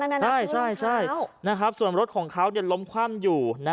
นี่นะฮะใช่ใช่ใช่นะครับส่วนรถของเค้าเนี้ยล้อมคว่ำอยู่นะ